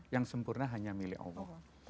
yang sempurna hanya milik allah